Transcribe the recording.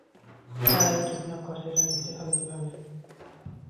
তারাই কিডন্যাপ করেছে এটা নিশ্চিত হলে কীভাবে?